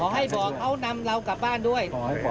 ให้บอกเขานำเรากลับบ้านด้วย